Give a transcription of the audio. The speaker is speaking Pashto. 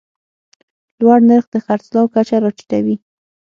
لوړ نرخ د خرڅلاو کچه راټیټوي.